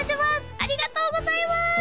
ありがとうございます